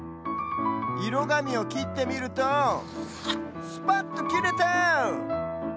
いろがみをきってみるとスパッときれた！